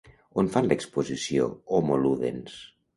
On fan l'exposició Homo Ludens?